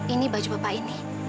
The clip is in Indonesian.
ini baju bapak ini